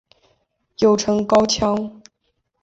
又称高腔。